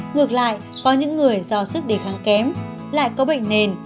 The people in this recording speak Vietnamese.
ngược lại có những người do sức đề kháng kém lại có bệnh nền